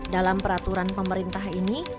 dalam peraturan pemerintah ini